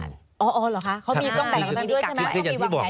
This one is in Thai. อ๋อเหรอคะเขามีต้องแต่ละกันดีด้วยใช่ไหม